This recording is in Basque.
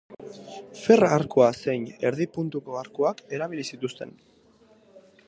Ferra arkua zein erdi puntuko arkuak erabili zituzten.